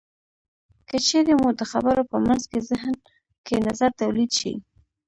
که چېرې مو د خبرو په منځ کې زهن کې نظر تولید شي.